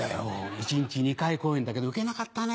一日２回公演だけどウケなかったね。